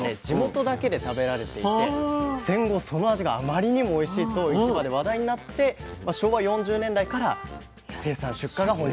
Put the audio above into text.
地元だけで食べられていて戦後その味があまりにもおいしいと市場で話題になって昭和４０年代から生産出荷が。